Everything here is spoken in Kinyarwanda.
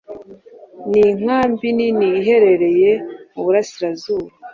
ni inkambi nini iherereye mu burasirazuba